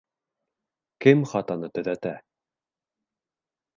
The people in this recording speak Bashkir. Кем хатаны төҙәтә?